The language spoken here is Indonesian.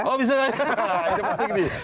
oh bisa saja